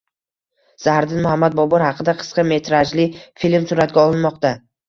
Zahiriddin Muhammad Bobur haqida qisqa metrajli film suratga olinmoqda